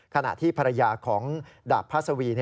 ขณะที่ภรรยาของดาบพระสวี